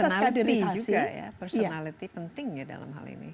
tapi ke personality juga ya personality pentingnya dalam hal ini